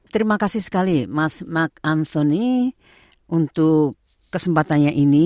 terima kasih sekali mas mark anthony untuk kesempatannya ini